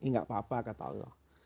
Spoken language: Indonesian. ini gak apa apa kata allah